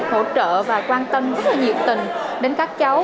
hỗ trợ và quan tâm rất là nhiệt tình đến các cháu